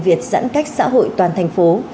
việc giãn cách xã hội toàn thành phố